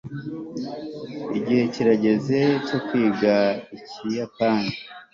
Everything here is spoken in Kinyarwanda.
igihe kirageze cyo kwiga ikiyapani